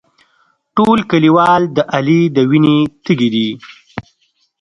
ټول کلیوال د علي د وینې تږي دي.